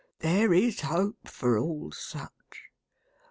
There is hope for all such.